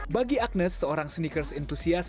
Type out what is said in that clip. bagi agnes seorang sneakers entusias